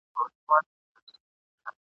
خو کوتري تا چي هر څه زېږولي ..